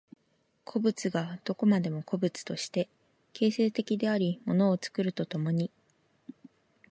個物がどこまでも個物として形成的であり物を作ると共に、